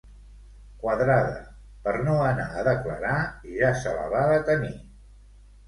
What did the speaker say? Quadrada, per no anar a declarar, ja se la va detenir.